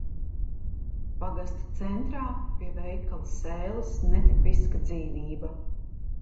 Pagasta centrā pie veikala "Sēlis" netipiska dzīvība.